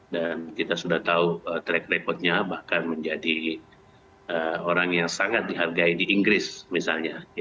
dan kita sudah tahu track record nya bahkan menjadi orang yang sangat dihargai di inggris misalnya